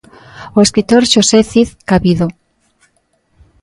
O escritor Xosé Cid Cabido.